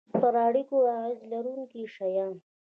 پر اړیکو اغیز لرونکي شیان